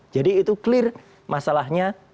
jadi itu clear masalahnya